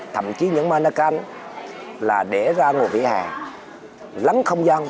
thậm chí những manakal là để ra ngôi vỉa hè lắng không gian